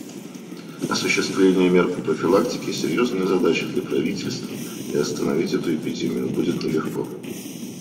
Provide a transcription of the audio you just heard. Осуществление мер по профилактике — серьезная задача для правительств, и остановить эту эпидемию будет нелегко.